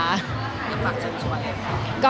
อยากฝากเชิญชัวร์ไงครับ